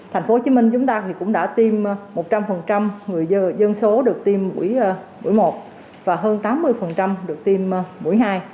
thành phố hồ chí minh chúng ta cũng đã tiêm một trăm linh dân số được tiêm mũi một và hơn tám mươi được tiêm mũi hai